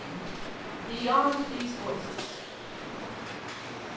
BEYOND THESE VOICES.